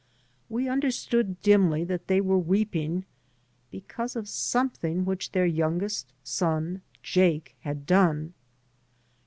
We understood dimly that they were weeping because of something which their youngest son Jake had done.